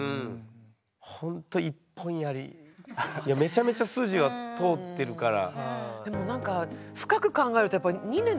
ほんといやめちゃめちゃ筋は通ってるから。